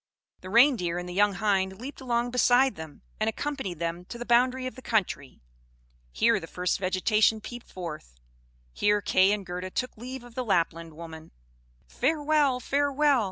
The Reindeer and the young hind leaped along beside them, and accompanied them to the boundary of the country. Here the first vegetation peeped forth; here Kay and Gerda took leave of the Lapland woman. "Farewell! Farewell!"